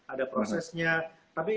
ada prosesnya tapi